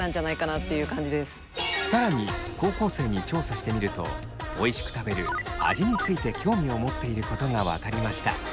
更に高校生に調査してみるとおいしく食べる味について興味を持っていることが分かりました。